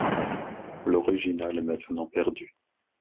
L'original est maintenant perdu.